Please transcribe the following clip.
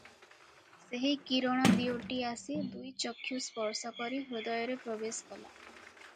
ସେହି କିରଣ ଦିଓଟି ଆସି ଦୁଇ ଚକ୍ଷୁ ସ୍ପର୍ଶ କରି ହୃଦୟରେ ପ୍ରବେଶ କଲା ।